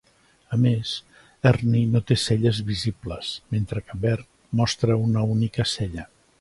A més, Ernie no té celles visibles, mentre que Bert mostra una única cella.